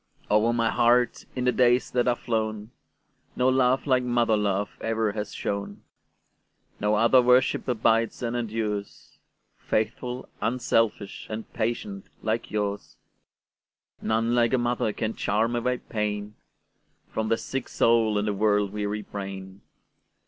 Over my heart, in the days that are flown, No love like mother love ever has shone; No other worship abides and endures,—Faithful, unselfish, and patient like yours:None like a mother can charm away painFrom the sick soul and the world weary brain.